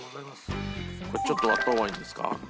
これちょっと割った方がいいんですか？